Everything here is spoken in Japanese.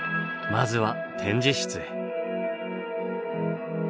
まずは展示室へ。